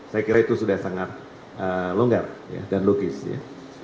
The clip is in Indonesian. saya kira itu sudah sangat longgar dan logis ya